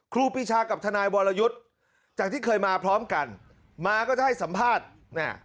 ครูปีชากับทนายวรยุทธ์จากที่เคยมาพร้อมกันมาก็จะให้สัมภาษณ์น่ะ